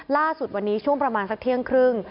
ล่าสุดวันนี้ช่วงประมาณสักเที่ยงครึ่ง